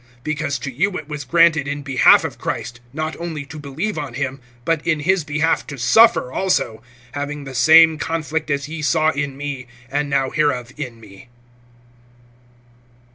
(29)Because to you it was granted in behalf of Christ, not only to believe on him, but in his behalf to suffer also; (30)having the same conflict as ye saw in me, and now hear of in me.